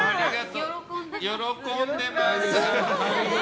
喜んでます。